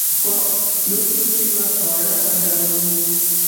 پخو لوښو کې خواړه خوندور وي